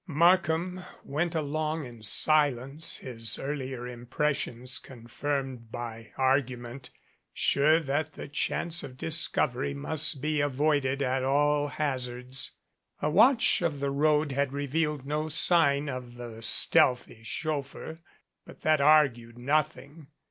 Markham went along in silence, his earlier impres sions confirmed by the argument, sure that the chance of discovery must be avoided at all hazards. A watch of the road had revealed no sign of the stealthy chauffeur, but that argued nothing.